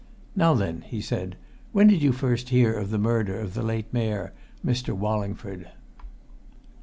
"Now then!" he said. "When did you first hear of the murder of the late Mayor, Mr. Wallingford?"